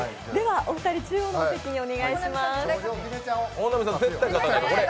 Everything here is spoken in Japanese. お二人、中央の席にお願いします。